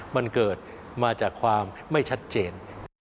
มันเกิดมาจากความไม่ชัดเจน